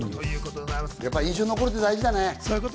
やっぱり印象に残るって大事だね。